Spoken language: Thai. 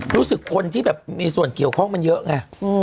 รู้สึกคนที่แบบมีส่วนเกี่ยวข้องมันเยอะไง